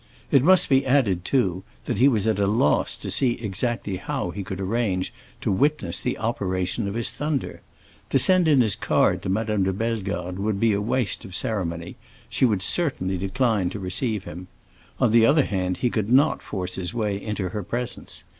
It must be added, too, that he was at a loss to see exactly how he could arrange to witness the operation of his thunder. To send in his card to Madame de Bellegarde would be a waste of ceremony; she would certainly decline to receive him. On the other hand he could not force his way into her presence.